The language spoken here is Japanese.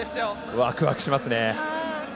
ワクワクしますね。